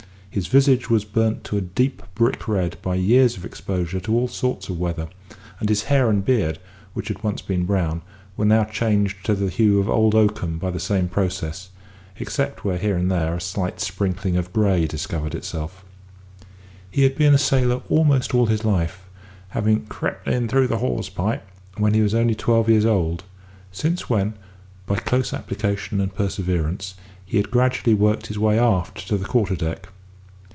His visage was burnt to a deep brick red by years of exposure to all sorts of weather; and his hair and beard, which had once been brown, were now changed to the hue of old oakum by the same process, except where, here and there, a slight sprinkling of grey discovered itself. He had been a sailor almost all his life, having "crept in through the hawse pipe" when he was only twelve years old; since when, by close application and perseverance, he had gradually worked his way aft to the quarter deck.